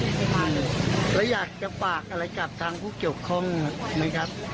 แต่ตอนนี้ก็ไม่มีใครมาเลยแล้วอยากจะฝากอะไรกับทางผู้เกี่ยวข้องไหมครับ